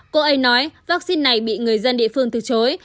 cô ấy nói vaccine này bị người dân địa phương từ chối